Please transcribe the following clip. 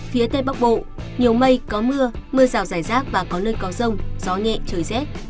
phía tây bắc bộ nhiều mây có mưa mưa rào rải rác và có nơi có rông gió nhẹ trời rét